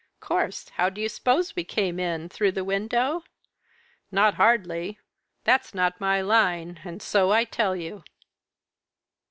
"Course! How do you suppose we came in? through the window? Not hardly, that's not my line, and so I tell you."